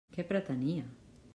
Què pretenia?